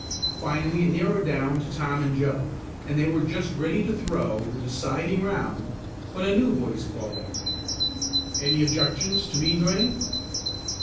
Finally it narrowed down to Tom and Joe, and they were just ready to throw the deciding round when a new voice called out: "Any objections to me joining?"